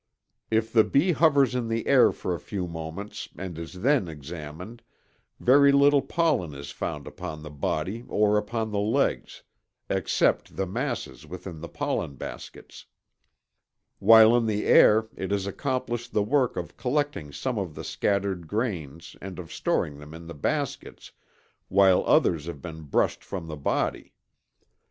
If the bee hovers in the air for a few moments and is then examined very little pollen is found upon the body or upon the legs, except the masses within the pollen baskets. While in the air it has accomplished the work of collecting some of the scattered grains and of storing them in the baskets, while others have been brushed from the body.